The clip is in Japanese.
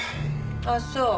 あっそう。